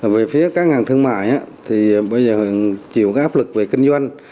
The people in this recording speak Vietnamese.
về phía các ngàn thương mại bây giờ chịu áp lực về kinh doanh